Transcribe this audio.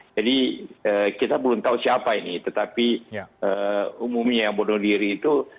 kita belum tahu siapa ini tetapi umumnya yang bunuh diri itu